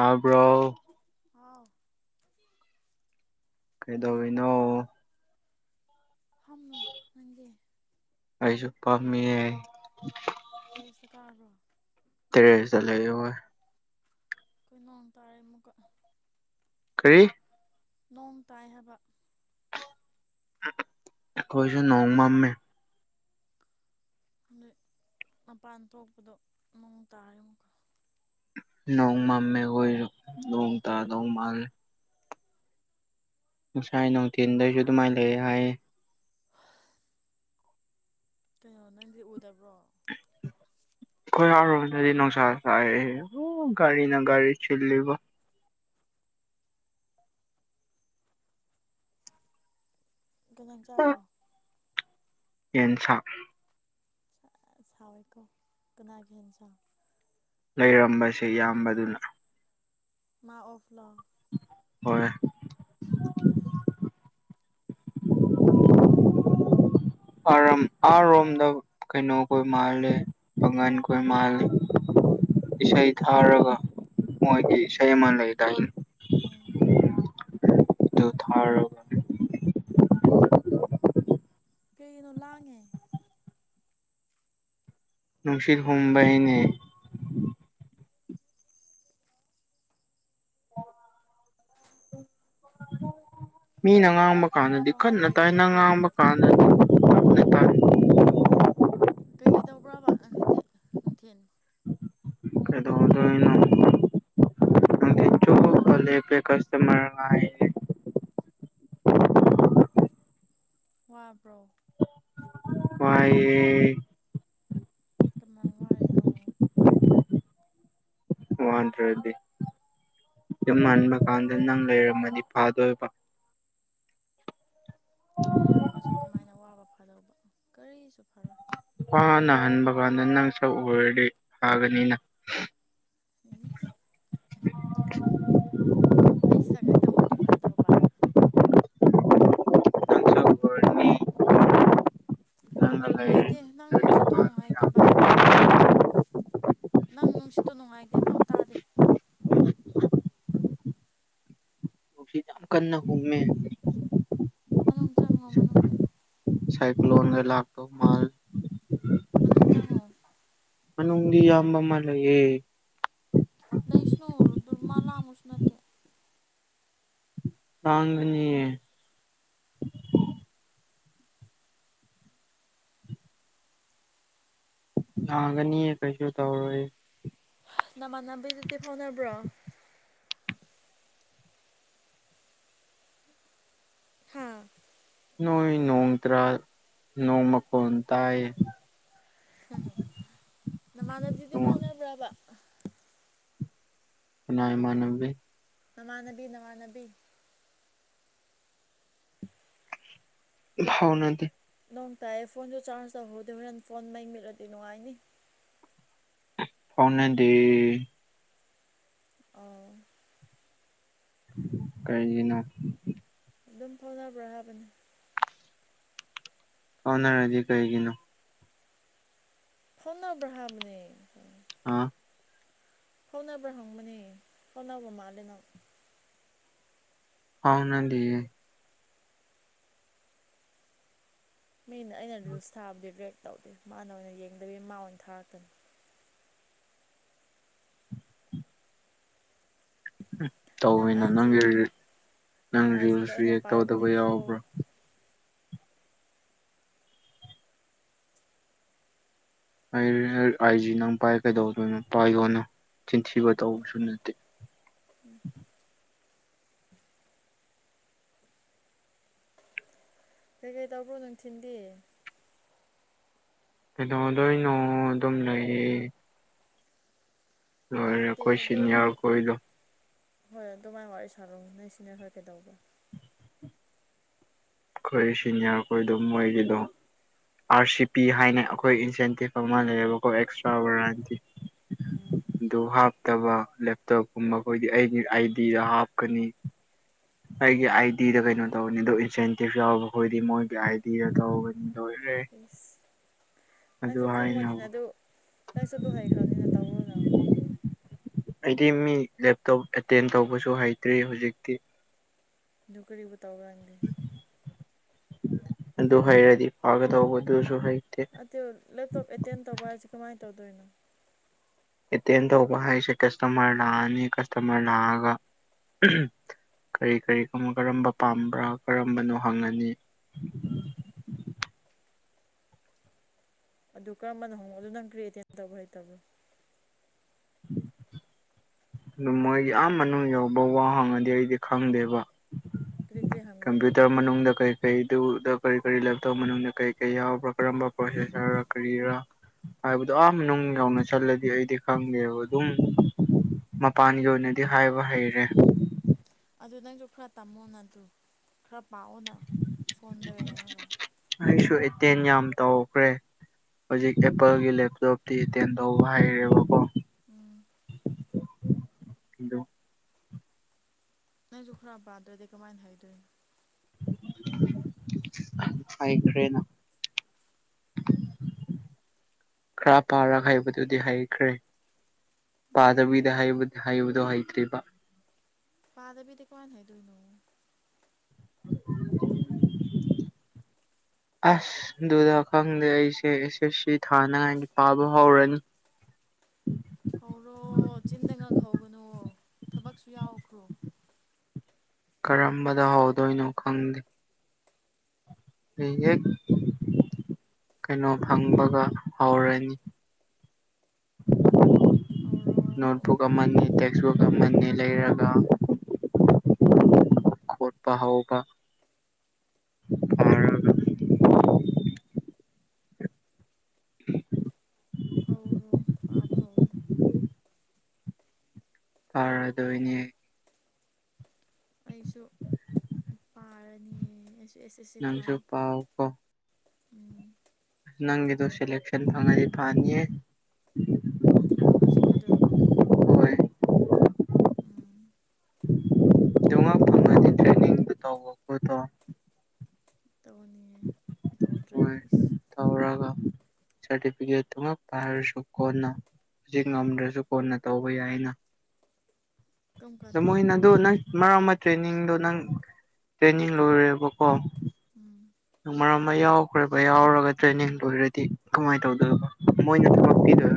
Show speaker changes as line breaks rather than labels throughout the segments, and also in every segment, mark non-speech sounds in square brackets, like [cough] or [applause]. ꯇꯥꯕ꯭ꯔꯣ
ꯍꯥꯎ ꯇꯥꯏ
ꯀꯩꯗꯧꯔꯤꯅꯣ
ꯐꯝꯃꯤ ꯅꯪꯗꯤ
ꯑꯩꯁꯨ ꯐꯥꯝꯃꯤꯌꯦ
ꯇꯦꯔꯦꯁ꯭ꯇ ꯀꯥꯕ꯭ꯔꯣ
ꯇꯦꯔꯦꯁ꯭ꯇ ꯂꯩꯌꯦ ꯍꯣꯏ
ꯑꯩꯈꯣꯏ ꯅꯣꯡ ꯇꯥꯔꯦ ꯑꯃꯨꯛꯀ
ꯀꯔꯤ
ꯅꯣꯡ ꯇꯥꯏ ꯍꯥꯏꯕ
ꯑꯩꯈꯣꯏꯁꯨ ꯄꯣꯡ ꯃꯥꯝꯃꯦ
[unintelligible] ꯃꯄꯥꯟ ꯊꯣꯛꯄꯗꯣ ꯅꯣꯡ ꯇꯥꯔꯦ ꯑꯃꯨꯛꯀꯥ
ꯅꯣꯡꯃꯝꯃ‌ꯦꯈ‌ꯣꯏ ꯅ‌ꯣꯡꯇꯥꯗ‌ꯣꯏ ꯃꯥꯜꯂ‌ꯦ꯫ ꯉꯁꯥꯏ ꯅꯨꯡꯊꯤꯟꯗꯒꯤ ꯑꯗꯨꯃꯥꯏꯅ ꯂꯩ ꯍꯥꯏꯌꯦ꯫
ꯍꯥ ꯀꯩꯅꯣ ꯅꯪꯗꯤ ꯎꯗꯕ꯭ꯔꯣ
ꯑꯩꯈꯣꯏꯍꯔꯣꯝꯗꯗꯤ ꯅꯨꯡꯁꯥ ꯁꯥꯏꯌ‌ꯦ ꯑ‌ꯨ ꯒꯥꯔꯤꯅ ꯒꯥꯔꯤ ꯆꯤꯜꯂꯤꯕ
ꯀꯩ ꯍꯤꯖꯥꯡ ꯆꯥꯕ꯭ꯔꯣ
ꯌꯦꯟꯁꯥꯡ
ꯁꯥꯎꯏꯀ‌ꯣ ꯀꯅꯥꯒꯤꯍꯤꯟꯖꯥꯡ
ꯂꯩꯔꯝꯕꯁꯦ ꯏꯌꯥꯝꯕꯗꯨꯅ
ꯃꯥ ꯑꯣꯐ ꯂꯣ
ꯍꯣꯏ ꯑꯔꯝ ꯑꯔꯣꯝꯗ ꯀꯩꯅꯣꯕꯨ ꯃꯥꯜꯂ‌ꯦ ꯃꯉꯥꯜ ꯀꯣꯏ ꯃꯥꯜꯂ‌ꯦ
ꯎꯝ
ꯏꯁꯩ ꯊꯥꯔꯒ ꯃꯣꯏꯒꯤ ꯏꯁꯩ ꯑꯃ ꯂꯩꯗꯥꯏꯅ‌ꯦ
ꯑꯥ
ꯗꯨ ꯊꯔ‌ꯣ
ꯀꯩꯅ‌ꯣ ꯂꯥꯡꯉꯦ
ꯅꯨꯡꯁꯤꯠ ꯍꯨꯝꯕꯩꯅꯦ ꯃꯤꯅ ꯉꯥꯡꯕ ꯀꯥꯟꯗꯗꯤ
ꯋꯥꯕ꯭ꯔꯣ ꯉꯁꯤ
ꯀꯟꯅ
ꯀꯩꯀꯩ
ꯇꯥꯏ ꯅꯪꯅ
ꯇꯧꯕ꯭ꯔꯣ
ꯉꯥꯡꯕ ꯄꯥꯟꯅ ꯇꯞꯅ ꯇꯥꯏ
ꯀꯩꯀꯩ ꯇꯧꯕ꯭ꯔꯕ ꯉꯁꯤꯗꯤ ꯅꯨꯡꯊꯤꯜ
ꯑꯗꯧꯗ‌ꯣꯏꯅ‌ꯣ ꯐꯂꯦ ꯄꯦ ꯀꯁꯇꯃꯔ ꯍꯥꯏꯌ‌ꯦ
ꯋꯥꯕ꯭ꯔꯣ
ꯋꯥꯏꯌ‌ꯦ
ꯀꯃꯥꯏ ꯋꯥꯔꯤꯅ‌ꯣ
ꯋꯥꯗ꯭ꯔꯗꯤ ꯌꯨꯝ ꯍꯟꯕ ꯀꯥꯟꯗ ꯅꯪ ꯂꯩꯔꯝꯃꯗꯤ ꯐꯥꯗꯣꯏꯕ
ꯑꯩ ꯂꯩꯔꯝꯃꯁꯨ ꯀꯃꯥꯏꯅ ꯋꯥꯕ ꯐꯥꯗꯧꯕ ꯀꯔꯤꯁꯨ ꯐꯔꯣꯏ
ꯋꯥꯅꯥ ꯍꯟꯕ ꯀꯥꯟꯗ ꯅꯪ ꯁꯛ ꯎꯔꯗꯤ ꯐꯥꯒꯅꯤꯅ
ꯏꯁ ꯑꯩ ꯁꯛ ꯉꯥꯛꯇ ꯎꯔꯗꯤ ꯐꯥꯗꯧꯕ
ꯅꯪ ꯁꯛ ꯎꯔꯅꯤ ꯅꯪꯒ
ꯅꯨꯡꯉꯥꯏꯇꯦ
ꯂꯩꯔꯅꯤ
ꯅꯪ ꯅꯨꯡꯁꯤꯠꯇꯣ ꯅꯨꯡꯉꯥꯏꯇꯦ ꯕ ꯅꯪ ꯅꯨꯡꯁꯤꯠꯇꯣ ꯅꯨꯡꯉꯥꯏꯇꯦ ꯑꯃꯐꯥꯎ ꯇꯥꯗꯦ
ꯅꯨꯡꯁꯤꯠ ꯌꯥꯝ ꯀꯟꯅꯥ ꯍꯨꯝꯃꯦ
ꯃꯅꯨꯡ ꯆꯪꯉꯣ ꯃꯅꯨꯡꯗ
ꯁꯥꯏꯀ꯭ꯂꯣꯟꯒ ꯂꯥꯛꯇ‌ꯣ ꯃꯥꯜꯂ‌ꯦ
ꯃꯅꯨꯡ ꯆꯪꯉꯣ
ꯃꯅꯨꯡꯗꯤ ꯏꯌꯥꯝꯕ ꯑꯃꯥ ꯂꯩꯌ‌ꯦ
ꯂꯩꯁꯅꯨꯗ ꯃꯥ ꯂꯥꯡꯕꯁꯨ ꯅꯠꯇꯦ
ꯂꯥꯡꯒꯅꯤꯌ‌ꯦ ꯂꯥꯡꯒꯅꯤꯌꯦ ꯀꯩꯁꯨ ꯇꯧꯔ‌ꯣꯏ
ꯅꯃꯥꯟꯅꯕꯤꯗꯨꯗꯤ ꯐꯥꯎꯅꯕ꯭ꯔꯣ ꯍꯥ
ꯅꯣꯏ ꯅꯣꯡ ꯇꯔꯥ ꯅꯣꯡ ꯃꯈꯣꯟ ꯇꯥꯏꯌ‌ꯦ
ꯍꯝ ꯅꯃꯥꯟꯅꯕꯤꯗꯨꯗꯤ ꯐꯥꯎꯅꯕ꯭ꯔꯥꯕ
ꯀꯥꯅꯥꯏ ꯏꯃꯥꯟꯅꯕꯤ
ꯅꯃꯥꯟꯅꯕꯤ ꯅꯃꯥꯟꯅꯕꯤ
ꯐꯥꯎꯅꯗꯦ
ꯅꯣꯡ ꯇꯥꯏꯌꯦ ꯐꯣꯟꯁꯨ ꯆꯥꯔꯖ ꯇꯧꯍꯧꯗꯦ ꯍꯣꯔꯦꯟ ꯐꯣꯟ ꯃꯩ ꯃꯨꯠꯂꯗꯤ ꯅꯨꯡꯉꯥꯏꯅꯤ
ꯐꯥꯎꯅꯗꯦ
ꯑꯣ
ꯀꯩꯒꯤꯅꯣ
ꯑꯗꯨꯝ ꯐꯥꯎꯅꯕ꯭ꯔꯥ ꯍꯥꯏꯕꯅꯤ
ꯐꯥꯎꯅꯔꯗꯤ ꯀꯩꯒꯤꯅꯣ
ꯐꯥꯎꯅꯕ꯭ꯔꯥ ꯍꯥꯏꯕꯅꯦ
ꯑꯥ
ꯐꯥꯎꯅꯕ꯭ꯔꯥ ꯍꯪꯕꯅꯦ ꯐꯥꯎꯅꯕ ꯃꯥꯜꯂꯦ ꯅꯪ
ꯐꯥꯎꯅꯗꯤꯌꯦ
ꯃꯤꯅ ꯑꯩꯅ ꯂꯨꯁ ꯊꯥꯕꯗꯤ ꯔꯤꯌꯦꯛ ꯇꯧꯗꯦ ꯃꯥꯅ ꯑꯣꯏꯅ ꯌꯦꯡꯗꯕꯤ ꯃꯥ ꯑꯣꯏꯅ ꯊꯥꯔꯛꯀꯅꯤ
ꯍꯝ
ꯅꯪ
ꯇꯧꯋꯤꯅ
ꯑꯥꯏꯖꯤ
ꯅꯪꯒꯤ ꯔꯤ ꯅꯪ
ꯑꯥꯏꯖꯤꯗꯣ
ꯔꯤꯜꯁ
ꯑꯩꯅ
ꯔꯤꯌꯦꯛ ꯇꯧꯗꯕ
ꯄꯥꯏꯕꯅꯦꯀꯣ
ꯌꯥꯎꯕ꯭ꯔꯥ ꯑꯩ [unintelligible] ꯑꯥꯏꯖꯤ ꯅꯪ ꯄꯥꯏꯔ ꯀꯩꯗꯧꯗꯣꯏꯅꯣ ꯄꯥꯏꯌꯣꯅ ꯆꯤꯟꯊꯤꯕ ꯇꯧꯕꯁꯨ ꯅꯠꯇꯦ
[unintelligible] ꯀꯩꯀꯩ ꯇꯧꯕ꯭ꯔꯣ ꯅꯨꯡꯊꯤꯟꯗꯤ
ꯀꯩꯗꯧꯗꯣꯏꯅꯣ ꯑꯗꯨꯝ ꯂꯩꯌꯦ ꯂꯣꯏꯔꯦ
ꯂꯩꯇꯦ
ꯑꯩꯈꯣꯏ
ꯑꯗꯨꯝ
ꯁꯤꯅꯤꯌꯔ ꯈꯣꯏꯗꯣ
ꯍꯣꯏ ꯑꯗꯨꯃꯥꯏꯅ ꯋꯥꯔꯤ ꯁꯥꯔꯧ ꯅꯁꯤꯅꯦ ꯍꯣꯏ ꯀꯩꯗꯧꯕ
ꯑꯩꯈꯣꯏ ꯁꯤꯅꯤꯌꯔ ꯑꯩꯈꯣꯏꯗꯨꯝ ꯃꯣꯏꯒꯤꯗꯣ ꯑꯥꯔ ꯁꯤ ꯄꯤ ꯍꯥꯏꯅ ꯑꯩꯈꯣꯏ ꯏꯟꯁꯦꯟꯇꯤꯞ ꯑꯃ ꯂꯩꯌꯦꯕꯀꯣ ꯑꯦꯛꯁꯇ꯭ꯔꯥ ꯕ꯭ꯔꯥꯟꯇꯤ
ꯎꯝ
ꯑꯗꯨ ꯍꯥꯞꯇꯕ ꯂꯦꯞꯇꯣꯞꯀꯨꯝꯕ ꯑꯩꯈꯣꯏꯗꯤ ꯑꯩꯒꯤ ꯑꯥꯏꯗꯤꯗ ꯍꯥꯞꯀꯅꯤ ꯑꯩꯒꯤ ꯑꯥꯏ ꯗꯤꯗ ꯀꯩꯅꯣ ꯇꯧꯕꯅꯤ ꯑꯗꯣ ꯏꯟꯁꯦꯟꯇꯤꯞ ꯌꯥꯎꯕꯈꯣꯏꯗꯤ ꯃꯣꯏꯒꯤ ꯑꯥꯏ ꯗꯤꯗ ꯇꯧꯕꯅꯤ ꯂꯣꯏꯈ꯭ꯔꯦ
ꯏꯁ ꯅꯪꯁꯨ ꯈꯪꯕꯅꯤꯅ
ꯍꯥꯏꯅꯕ
ꯑꯗꯨ ꯅꯪꯁꯨ ꯑꯗꯨ ꯍꯩꯈ꯭ꯔꯕꯅꯤꯅ ꯇꯧꯔꯨꯅ
ꯑꯩꯗꯤ ꯃꯤ ꯂꯦꯞꯇꯣꯞ ꯑꯦꯇꯦꯟ ꯇꯧꯕꯁꯨ ꯍꯩꯇ꯭ꯔꯤ ꯍꯧꯖꯤꯛꯇꯤ
ꯑꯗꯨ ꯀꯔꯤꯕꯨ ꯇꯧꯔꯪꯒꯦ
ꯑꯗꯨ ꯍꯩꯔꯗꯤ ꯐꯥꯒꯗꯧꯕ ꯗꯨꯁꯨ ꯍꯩꯇꯦ
ꯇꯨꯟ ꯂꯦꯞꯇꯣꯞ ꯑꯦꯇꯦꯟ ꯇꯧꯕ ꯍꯥꯏꯁꯦ ꯀꯃꯥꯏꯅ ꯇꯧꯗꯣꯏꯅꯣ
ꯑꯦꯇꯦꯟ ꯇꯧꯕ ꯍꯥꯏꯁꯦ ꯀꯁꯇꯃꯔ ꯂꯥꯛꯑꯅꯤ ꯀꯁꯇꯃꯔ ꯂꯥꯛꯑꯒ [unintelligible] ꯀꯔꯤ ꯀꯔꯤ ꯀꯝ ꯀꯔꯝꯕ ꯄꯥꯝꯕ꯭ꯔꯥ ꯀꯔꯝꯕꯅꯣ ꯍꯪꯉꯅꯤ
ꯎꯝ ꯑꯗꯨ ꯀꯔꯝꯕꯅꯣ ꯍꯪꯉꯣ ꯑꯗꯨ ꯅꯪ ꯀ꯭ꯔꯤ ꯑꯦꯇꯦꯟ ꯇꯧꯕ ꯍꯩꯇꯕ꯭ꯔꯣ
ꯑꯗꯨ ꯃꯣꯏꯒꯤ ꯑꯥ ꯃꯅꯨꯡ ꯌꯧꯕ ꯋꯥ ꯍꯪꯉꯗꯤ ꯑꯩꯗꯤ ꯈꯪꯗꯦꯕ
ꯀꯔꯤ ꯀꯔꯤ ꯍꯪꯕ꯭ꯔꯣ ꯃꯣꯏꯗꯤ
ꯀꯝꯄ꯭ꯌꯨꯇꯔ ꯃꯅꯨꯡꯗ ꯀꯩ ꯀꯩꯗꯨ ꯗꯥ ꯀꯔꯤ ꯀꯔꯤ ꯂꯦꯞꯇꯣꯞ ꯃꯅꯨꯡꯗ ꯀꯩ ꯀꯩ ꯌꯥꯎꯕ꯭ꯔꯥ ꯀꯔꯝꯕ ꯄ꯭ꯔꯣꯁꯦꯁꯔ ꯔꯥ ꯀꯔꯤꯔꯥ ꯍꯥꯏꯕꯗꯣ ꯑꯥ ꯃꯅꯨꯡ ꯌꯧꯅ ꯆꯠꯂꯗꯤ ꯑꯩꯗꯤ ꯈꯪꯗꯦꯕ ꯑꯗꯨꯝ ꯃꯄꯥꯟꯒꯤ ꯑꯣꯏꯅꯗꯤ ꯍꯥꯏꯕ ꯍꯩꯔꯦ
ꯑꯗꯨ ꯅꯪꯁꯨ ꯈꯔ ꯇꯝꯃꯣꯅ ꯑꯗꯨ ꯈꯔ ꯄꯥꯑꯣꯅ
ꯑꯩꯁꯨ ꯑꯦꯇꯦꯟ ꯌꯥꯝ ꯇꯧꯈ꯭ꯔꯦ ꯍꯧꯖꯤꯛ ꯑꯦꯄꯜꯒꯤ ꯂꯦꯞꯇꯣꯞꯇꯤ ꯑꯦꯇꯦꯟ ꯇꯧꯕ ꯍꯥꯏꯔꯦꯕꯀꯣ
ꯎꯝ
ꯑꯗꯨ
ꯅꯪꯁꯨ ꯈꯔ ꯄꯥꯗ꯭ꯔꯗꯤ ꯀꯃꯥꯏꯅ ꯍꯩꯗꯣꯏꯅꯣ
ꯑꯩꯈ꯭ꯔꯦꯅ ꯈꯔ ꯄꯥꯔꯥ ꯍꯥꯏꯕꯗꯨꯗꯤ ꯍꯩꯈ꯭ꯔꯦ ꯄꯥꯗꯕꯤꯗꯕ ꯍꯩꯕ ꯍꯩꯕꯗꯣ ꯍꯩꯇ꯭ꯔꯤꯕ
ꯄꯥꯗꯕꯤꯗꯤ ꯀꯃꯥꯏꯅ ꯍꯩꯗꯣꯏꯅꯣ
ꯑꯁ ꯑꯗꯨꯗ ꯈꯪꯗꯦ ꯑꯩꯁꯦ ꯑꯦꯁ ꯑꯦꯁ ꯁꯤ ꯊꯥꯅꯉꯥꯏꯒꯤ ꯄꯥꯕ ꯍꯧꯔꯅꯤ
ꯍꯧꯔꯣ ꯆꯤꯟꯗ ꯉꯛꯍꯒꯅꯣ ꯊꯕꯛꯁꯨ ꯌꯥꯎꯈ꯭ꯔꯣ
ꯀꯔꯝꯕꯗ ꯍꯧꯗꯣꯏꯅꯣ ꯈꯪꯗꯦ ꯍ ꯍꯦꯛ ꯀꯩꯅꯣ ꯐꯪꯕꯒ ꯍꯧꯔꯅꯤ
[unintelligible]
ꯅꯣꯠꯕꯨꯛ
ꯍꯧꯔꯣ
ꯑꯃꯅꯤ ꯇꯦꯛꯁꯕꯨꯛ ꯑꯃꯅꯤ ꯂꯩꯔꯒ ꯈꯣꯠꯄꯒ
ꯍꯧꯔꯣ ꯄꯕ ꯍꯧꯔꯣ
ꯐꯥꯔꯗꯣꯏꯅꯦ
ꯑꯩꯁꯨ ꯄꯥꯔꯅꯤ ꯑꯩꯁꯨ ꯑꯦꯁ ꯑꯦꯁ ꯁꯤ
ꯅꯪꯁꯨ
ꯊꯥꯅꯤ
ꯄꯥꯎ ꯀꯣ
ꯎꯝ
ꯅꯪꯗꯣ ꯁꯦꯂꯁꯟ ꯐꯪꯉꯗꯤ ꯐꯅꯤꯌꯦ
ꯍꯧꯖꯤꯛꯀꯗꯣ
ꯍꯣꯏ
ꯎꯝ
ꯐꯗꯤ ꯇ꯭ꯔꯅꯤꯡ ꯇꯣꯏꯗꯣ
ꯇꯧꯅꯤꯌꯦ ꯇꯧꯗ꯭ꯔꯗꯤ
ꯍꯣꯏ
ꯏꯁ
ꯇꯧꯔꯒ ꯁꯥꯔꯇꯤꯐꯤꯀꯦꯠꯇꯨ ꯉ ꯄꯥꯏꯔꯁꯨ ꯀꯣꯟꯅ ꯍꯧꯖꯤꯛ ꯉꯝꯗ꯭ꯔꯁꯨ ꯀꯣꯟꯅ ꯇꯧꯕ ꯌꯥꯏꯅ
ꯀꯔꯝ ꯀꯥꯟ
ꯃꯣꯅ
ꯇꯧꯗꯣꯏꯕꯣ
ꯑꯗꯨ ꯅꯪ ꯃꯔꯛ ꯑꯃ ꯇ꯭ꯔꯦꯅꯤꯡꯗꯣ ꯅꯪ ꯇ꯭ꯔꯦꯅꯤꯡ ꯂꯣꯏꯔꯦꯕꯀꯣ
ꯎꯝ
ꯃꯔꯝ ꯑꯃ ꯌꯥꯎꯈ꯭ꯔꯦꯕ ꯌꯥꯎꯔꯒ ꯇ꯭ꯔꯦꯅꯤꯡ ꯂ ꯑꯣꯏꯔꯗꯤ ꯀꯃꯥꯏꯅ ꯇꯧꯗꯣꯏ ꯃꯣꯏꯅ ꯊꯕꯛ ꯄꯤꯗꯣꯏ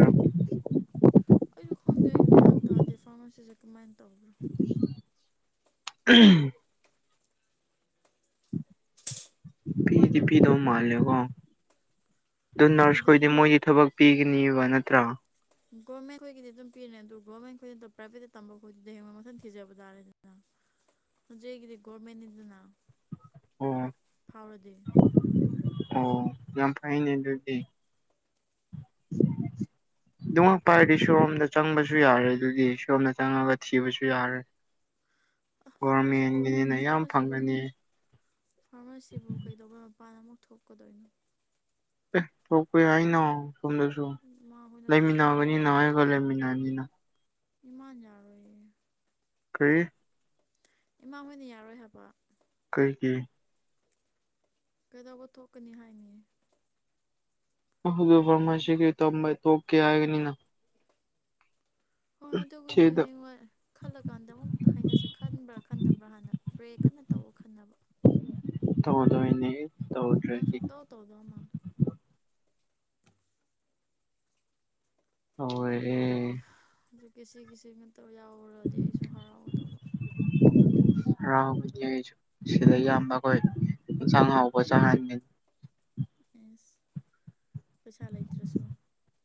ꯑꯩꯈꯪꯒꯩ ꯒ꯭ꯌꯥꯟ ꯇꯥꯔꯗꯤ ꯐꯥꯔꯃꯥꯁꯤꯁꯦ ꯀꯃꯥꯏꯅ ꯇꯧꯕ꯭ꯔꯣ
[unintelligible]
ꯀꯃꯥꯏꯅ
ꯄꯤꯗꯤ ꯄꯤꯗꯧ
ꯇꯧꯕꯖꯥꯠꯅꯣ
ꯃꯥꯜꯂꯦꯀꯣ ꯑꯗꯨ ꯅꯔꯁ
ꯄꯤꯅꯤꯗ
ꯈꯣꯏꯗꯤ ꯃꯣꯏꯗꯤ
ꯒꯣ
ꯊꯕꯛ ꯄꯤꯒꯅꯦꯕ ꯅꯠꯇ꯭ꯔꯥ
ꯒꯣꯔꯃꯦꯟ ꯈꯣꯏꯒꯤꯗꯤ ꯑꯗꯨꯝ ꯄꯤꯔꯦ ꯑꯗꯨ ꯒꯣꯔꯃꯦꯟꯈꯣꯏꯅ ꯄ꯭ꯔꯥꯏꯚꯦꯠꯇ ꯇꯝꯕꯈꯣꯏꯗꯤ ꯍꯌꯦꯉ ꯃꯊꯟ ꯊꯤꯖꯕ ꯇꯥꯔꯦꯗꯤ ꯅꯗ꯭ꯔꯦ ꯍꯦꯒꯗꯤ ꯒꯔꯃꯦꯟ ꯏꯅ
ꯑꯣ
ꯐꯥꯎꯔꯗꯤ
ꯑꯣ ꯌꯥꯝ ꯐꯩꯅꯦ ꯑꯗꯨꯗꯤ
[inaudible]
ꯑꯗꯨꯝꯃꯛꯄꯥꯏ ꯍꯥꯏꯔꯗꯤ ꯁꯣꯔꯣꯝꯗ ꯆꯪꯕꯁꯨ ꯌꯥꯔꯦ ꯑꯗꯨꯗꯤ ꯁꯣꯝꯗ ꯆꯪꯉꯒ ꯊꯤꯕꯁꯨ ꯌꯥꯔꯦ
ꯑ ꯐꯔꯃꯥꯁꯤꯕꯨ
ꯒꯣꯔꯃꯦꯟꯒꯤꯅꯤꯅ ꯌꯥꯝ
ꯐꯔꯃꯥꯁꯤꯒ
ꯐꯪꯒꯅꯤ
ꯐꯥꯔꯃꯥꯁꯤꯕꯨ ꯀꯩꯗꯧꯕꯩ ꯃꯄꯥꯟꯗ ꯑꯃꯨꯛ ꯊꯣꯛꯀꯗꯣꯏꯅꯣ
ꯑꯦ ꯊꯣꯛꯄꯦ ꯍꯥꯏꯅꯣ ꯁꯣꯝꯗꯁꯨ
ꯏꯃꯥꯍꯣꯏꯅ ꯀꯔꯤꯁꯨ ꯌꯥꯔꯣꯏ
ꯂꯩꯃꯤꯟꯅꯕꯅꯤꯅ ꯍꯥꯏꯒ ꯂꯩꯃꯤꯟꯅꯅꯤꯅ
ꯏꯃꯥꯟ ꯌꯥꯔꯣꯏꯌꯦ
ꯀꯔꯤ
ꯏꯃꯥ ꯍꯣꯏꯅ ꯌꯥꯔꯣꯏ ꯍꯥꯏꯕ
ꯀꯩꯒꯤ
ꯀꯩꯗꯧꯕ ꯊꯣꯛꯀꯅꯤ ꯍꯥꯏꯅꯤꯌꯦ
ꯑꯗꯨ
ꯍꯣꯏ
ꯐꯥꯔꯃꯥꯁꯤꯒꯤ ꯇꯝꯕ ꯊꯣꯛꯀꯦ ꯍꯥꯏꯒꯅꯤꯅ
ꯍꯔꯑꯗꯨꯒꯤ
ꯊꯦꯗ
ꯈꯨꯗꯤꯍꯦ ꯋꯥꯔ ꯈꯜꯂꯀꯥꯟꯗ ꯑꯃꯨꯛ ꯍꯥꯏꯅꯁꯦ ꯈꯟꯕ꯭ꯔꯥ ꯈꯟꯗꯕ꯭ꯔꯥ ꯍꯥꯟꯅ ꯔ꯭ꯔꯦ ꯀꯟꯅ ꯇꯧꯕ ꯈꯟꯅꯕ
ꯇꯉꯗ ꯏꯅꯦ
ꯅꯪ ꯁꯨꯞ ꯇ ꯑꯣ ꯇꯧꯗꯣ ꯑꯃꯥꯟ
ꯑꯣꯔꯦꯍꯦ
ꯍꯧꯖꯤꯛꯀꯤ ꯁꯤꯒꯤꯁꯤ ꯉꯥꯛꯇ ꯌꯥꯎꯔꯗꯤ ꯑꯩꯁꯨ ꯍꯔꯥꯎꯒꯗꯧꯕ
ꯍꯔꯥꯎꯕꯅꯤ ꯑꯩꯁꯨ ꯁꯤꯗ ꯏꯌꯥꯝꯕ ꯈꯣꯏ ꯌꯦꯟꯁꯥꯡ ꯑꯍꯥꯎꯕ ꯆꯥꯍꯟꯒꯅꯤ
ꯑꯦꯁ ꯄꯩꯁꯥ ꯂꯩꯇ꯭ꯔꯁꯨ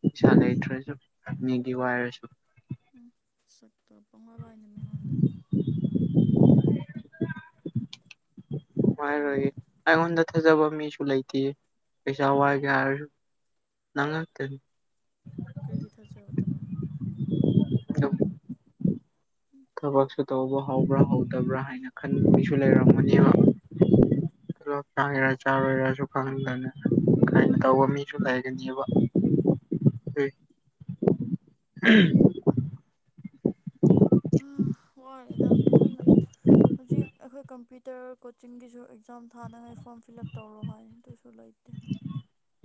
ꯄꯩꯁꯥ ꯂꯩꯇ꯭ꯔꯁꯨ ꯃꯤꯒꯤ ꯋꯥꯏꯔꯁꯨ
ꯎꯝ ꯁꯛꯇꯣ ꯄꯪꯋꯥꯏ ꯋꯥꯢꯅꯨ ꯃꯤꯉꯣꯟꯗ ꯍꯌꯦꯡꯋꯥꯏ
ꯋꯥꯢꯔꯣꯢꯌꯦ ꯑꯩꯉꯣꯟꯗ ꯊꯖꯕ ꯃꯤꯁꯨ ꯂꯩꯥꯇꯦ ꯄꯩꯁꯥ
ꯏꯁ
ꯋꯥꯢꯒꯦ ꯍꯥꯢꯔꯁꯨ ꯅꯪ ꯉꯥꯛꯇꯅꯤ
ꯀꯔꯤꯒꯤ ꯊꯥꯖꯗꯕ
ꯑꯗꯨꯝ
ꯎꯝ
ꯊꯕꯛꯁꯨ ꯇꯧꯕ ꯍꯧꯕ꯭ꯔꯥ ꯍꯧꯗꯕ꯭ꯔꯥ ꯍꯥꯏꯅ ꯈꯟꯕꯒꯤꯁꯨ ꯂꯩꯔꯝꯒꯅꯦꯕ ꯇꯣꯂꯣꯞ ꯆꯥꯒꯦꯔꯥ ꯆꯥꯔꯣꯏꯔꯥꯁꯨ ꯈꯪꯗꯅ ꯀꯥꯏꯅ ꯇꯧꯕ ꯃꯤꯁꯨ ꯂꯩꯒꯅꯤꯕ ꯎꯝ [unintelligible]
ꯑꯥ ꯋꯥꯢꯗ ꯐꯖꯅ ꯍꯧꯖꯤꯛ ꯑꯩꯈꯣꯏ ꯀꯝꯄ꯭ꯌꯨꯇꯥꯔ ꯀꯣꯆꯤꯡꯒꯤꯁꯨ ꯑꯦꯛꯖꯥꯝ ꯊꯥꯅꯤꯡꯉꯥꯏ ꯐꯣꯔꯝ ꯐꯤꯜ ꯑꯞ ꯇꯧꯔꯣ ꯍꯥꯏ ꯑꯗꯨꯁꯨ ꯂꯩꯇꯦ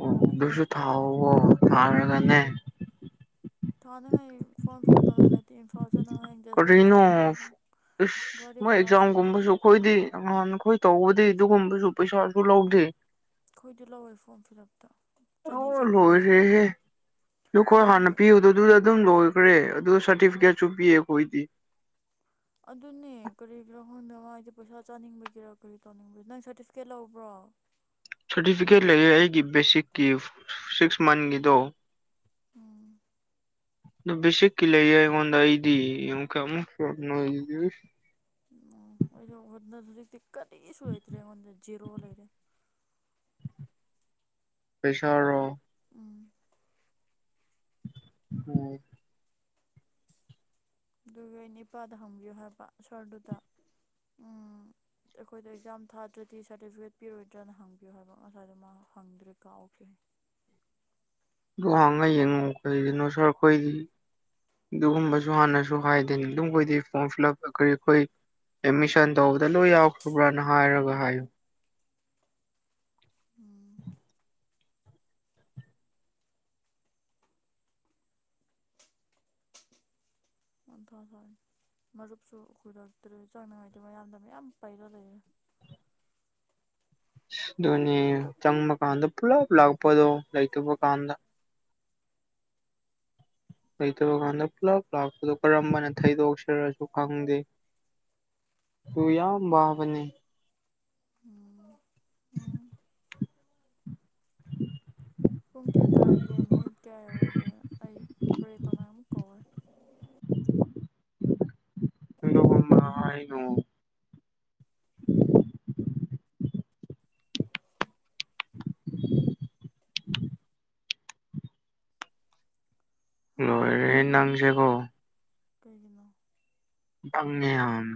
ꯑꯣ ꯑꯗꯨꯁꯨ ꯊꯥꯎꯑꯣ ꯊꯥꯔꯒꯅꯦ
ꯊꯥꯅꯤꯡꯉꯥꯢ ꯐꯣꯔꯝ ꯐꯤꯜ ꯑꯞ ꯏꯝꯐꯥꯜ ꯆꯠꯅꯤꯡꯉꯥꯢ ꯗꯦꯠ ꯐꯣꯠ
ꯀꯔꯤꯅꯣ
ꯏꯝꯐꯥꯜ ꯆꯠꯅꯤꯡꯉꯥꯢꯁꯨ
ꯏꯁ
ꯒꯥꯔꯤ
ꯃꯣꯏ
ꯕꯔꯥꯁꯨ ꯂꯩꯇꯦ
ꯑꯦꯛꯖꯥꯝꯒꯨꯝꯕꯁꯨ ꯑꯩꯈꯣꯏꯗꯤ ꯑꯉꯥꯡ ꯑꯩꯈꯣꯏ ꯇꯧꯕꯗꯤ ꯑꯗꯨꯒꯨꯝꯕꯁꯨ ꯄꯩꯁꯥꯁꯨ ꯂꯧꯗꯦ
ꯑꯩꯈꯣꯏꯗꯤ ꯂꯧꯋꯦ ꯐꯣꯔꯝ ꯐꯤꯜ ꯑꯞꯇꯣ ꯆꯅꯤ ꯆꯅꯤꯅꯦ ꯍꯥꯏ
ꯑꯗꯨ ꯑꯩꯈꯣꯏ ꯍꯥꯟꯅ
ꯃꯥꯅ
ꯄꯤꯕꯗꯨꯗ ꯑꯗꯨꯝ ꯂꯣꯏꯈ꯭ꯔꯦ ꯑꯗꯨ ꯁꯥꯔꯇꯤꯐꯤꯀꯦꯠꯁꯨ ꯄꯤꯌꯦ ꯑꯩꯈꯣꯏꯗꯤ
ꯑꯗꯨꯅꯦ ꯀꯔꯤꯒꯤꯔꯥ ꯈꯪꯗꯦ ꯃꯥꯢꯗꯤ ꯄꯩꯁꯥ ꯆꯥꯅꯤꯡꯕꯒꯤꯔꯥ ꯀꯔꯤ ꯇꯧꯅꯤꯡꯕꯒꯤꯔꯥ ꯅꯪ ꯁꯥꯔꯇꯤꯐꯤꯀꯦꯠ ꯂꯧꯕ꯭ꯔꯣ
ꯁꯥꯔꯇꯤꯐꯤꯀꯦꯠ ꯂꯩꯌꯦ ꯑꯩꯒꯤ ꯕꯦꯁꯤꯛꯀꯤ ꯁꯤꯛꯁ ꯃꯟꯒꯤꯗꯣ
ꯑꯝ
ꯑꯗꯨ ꯕꯦꯁꯤꯛꯒꯤ ꯂꯩꯌꯦ ꯑꯩꯉꯣꯟꯗ ꯑꯩꯗꯤ ꯑꯃꯨꯛꯒ [unintelligible] [unintelligible]
ꯎꯝ ꯑꯩꯗꯣ [unintelligible] ꯍꯧꯖꯤꯛꯇꯤ ꯀꯔꯤꯁꯨ ꯂꯩꯇ꯭ꯔꯦ ꯑꯩꯉꯣꯟꯗ ꯖꯤꯔꯣ ꯂꯩꯔꯦ
ꯄꯩꯁꯥꯔꯣ
ꯎꯝ
ꯎꯝ
ꯑꯗꯨꯒꯤ ꯑꯩ ꯅꯤꯄꯥꯗ ꯍꯪꯕꯤꯌꯣ ꯍꯥꯏꯕ ꯁꯥꯔꯗꯨꯗ ꯎꯝ ꯑꯩꯈꯣꯏꯗ ꯑꯦꯛꯖꯥꯝ ꯊꯥꯗ꯭ꯔꯗꯤ ꯁꯥꯔꯇꯤꯐꯤꯀꯦꯠ ꯄꯤꯔꯣꯏꯗ꯭ꯔꯅ ꯍꯪꯕꯤꯌꯨ ꯍꯥꯏꯕ ꯉꯁꯥꯏꯗꯣ ꯃꯥ ꯍꯪꯗ꯭ꯔꯦ ꯀꯥꯎꯈ꯭ꯔꯦ
ꯑꯗꯨ ꯍꯥꯡꯉ ꯌꯦꯡꯉꯣ ꯀꯔꯤꯒꯤꯅꯣ ꯁꯥꯔ ꯑꯩꯈꯣꯏꯒꯤ ꯑꯗꯨꯒꯨꯝꯕꯁꯨ ꯍꯥꯟꯅꯁꯨ ꯍꯥꯏꯗꯦꯅ ꯑꯗꯨꯝꯈꯣꯏꯗꯤ ꯐꯣꯔꯝ ꯐꯤꯜ ꯑꯞ ꯀꯔꯤ ꯑꯩꯈꯣꯏ ꯑꯦꯗꯃꯤꯁꯟ ꯇꯧꯕꯗ ꯂꯣꯏ ꯌꯥꯎꯈ꯭ꯔꯕ꯭ꯔꯅ ꯍꯥꯏꯔꯒ ꯍꯥꯏꯌꯨ
ꯑꯝ [unintelligible] [unintelligible] ꯃꯔꯨꯞꯁꯨ ꯀꯨꯏꯔꯛꯇ꯭ꯔꯦ ꯆꯪꯅꯤꯡꯉꯥꯏꯗꯤ ꯃꯌꯥꯝꯗ ꯃꯌꯥꯝ ꯄꯥꯏꯔ ꯂꯩꯔꯦ
ꯑꯗꯨꯅꯦ ꯆꯪꯕ ꯀꯥꯟꯗ ꯄꯨꯂꯞ ꯂꯥꯛꯄꯗꯣ ꯂꯩꯇꯕ ꯀꯥꯟꯗ ꯂꯩꯇꯕ ꯀꯥꯟꯗ ꯄꯨꯂꯞ ꯂꯥꯛꯄꯗꯣ ꯀꯔꯝꯕꯅ ꯊꯩꯗꯣꯛꯁꯤꯔꯁꯨ ꯈꯪꯗꯦ ꯑꯗꯨꯨ ꯌꯥꯝ ꯋꯥꯕꯅꯦ
ꯎꯝ ꯎꯝ
[inaudible]
ꯄꯨꯡ ꯀꯌꯥ ꯇꯥꯔꯒꯦ ꯃꯤꯅꯤꯠ ꯀꯌꯥ ꯌꯧꯔꯒꯦ ꯑꯩ ꯄ꯭ꯔꯦ ꯇꯧꯅꯤꯡꯉꯥꯢ ꯑꯃꯨꯛ ꯀꯧꯔꯦ
ꯑꯗꯨꯒꯨꯝꯕ ꯍꯥꯢꯅꯣ [inaudible] ꯂꯣꯏꯔꯦꯍꯦ ꯅꯪꯁꯤꯀꯣ
ꯀꯩꯒꯤꯅꯣ
[unintelligible] ꯌꯥꯝ